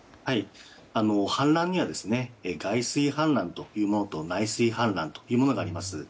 氾濫には外水氾濫と内水氾濫というものがあります。